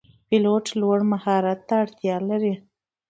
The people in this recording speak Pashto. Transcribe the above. پیلوټ لوړ مهارت ته اړتیا لري.